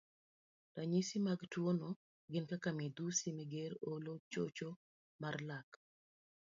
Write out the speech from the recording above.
Ranyisi mag tuwono gin kaka midhusi mager, olo, chocho mar lak,